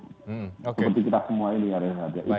seperti kita semua ini ya reza